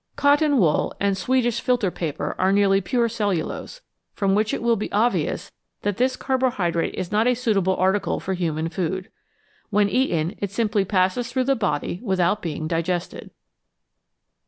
Cotton wool and Swedish filter paper are nearly pure cellulose, from which it will be obvious that this carbohydrate is not a suitable article for human food. When eaten, it simply passes through the body without being digested.